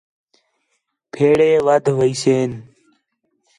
پھیڑے ودھ ویسین